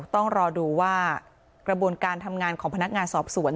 ต้องรอดูว่ากระบวนการทำงานของพนักงานสอบสวน